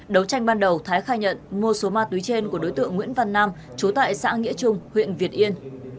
đấu tranh ban đầu thái khai nhận mua số ma túy trên của đối tượng nguyễn văn nam chú tại xã nghĩa trung huyện việt yên